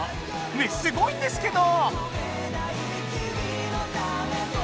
ねえすごいんですけど！